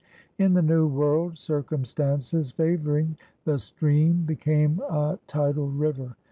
In the New World, circumstances favoring, the stream became a tidal river.